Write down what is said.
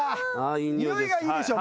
匂いがいいでしょ